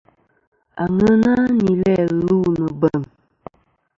Àŋena nɨ̀n læ lu nɨ̀ bèŋ.